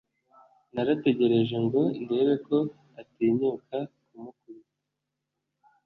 Narategereje ngo ndebe ko atinyuka kumukubita